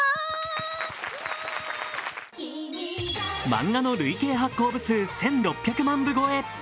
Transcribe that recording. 漫画の累計発行部数１６００万部超え。